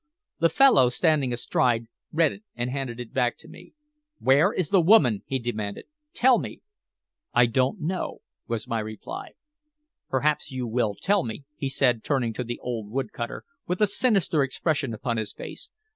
The fellow, standing astride, read it, and handed it back to me. "Where is the woman?" he demanded. "Tell me." "I don't know," was my reply. "Perhaps you will tell me," he said, turning to the old wood cutter with a sinister expression upon his face.